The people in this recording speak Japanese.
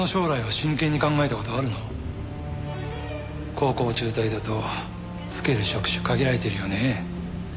高校中退だと就ける職種限られてるよねえ。